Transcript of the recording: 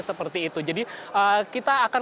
seperti itu jadi kita akan